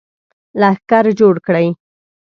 لښکر جوړ کړي.